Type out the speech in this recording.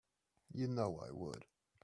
You know I would.